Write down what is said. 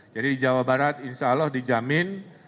jadi di jawa barat insya allah dijamin